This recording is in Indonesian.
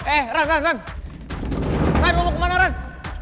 eh ran lan lan lu mau ke mana ran